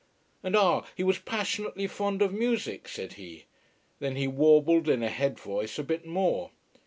And ah, he was passionately fond of music, said he. Then he warbled, in a head voice, a bit more.